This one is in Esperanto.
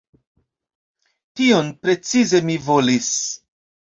tion precize mi volis.